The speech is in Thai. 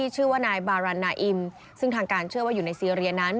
ชื่อว่านายบารันนาอิมซึ่งทางการเชื่อว่าอยู่ในซีเรียนั้น